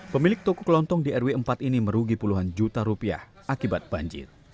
pemilik toko kelontong di rw empat ini merugi puluhan juta rupiah akibat banjir